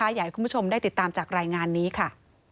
อยากให้คุณผู้ชมได้ติดตามจากรายงานนี้ค่ะ